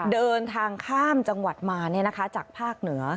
เดินทางข้ามจังหวัดมาเนี่ยนะคะจากภาคเหนือ